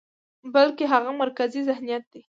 بلکې هغه مرکزي ذهنيت دى،